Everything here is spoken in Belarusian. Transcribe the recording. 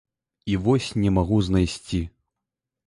І вось не магу знайсці.